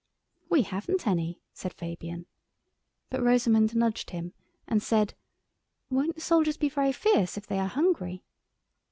"We haven't any," said Fabian, but Rosamund nudged him, and said, "Won't the soldiers be very fierce if they are hungry?"